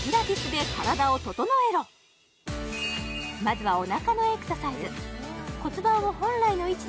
まずはお腹のエクササイズ背骨